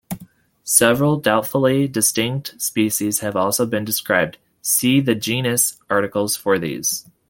Several doubtfully distinct species have also been described; see the genus articles for these.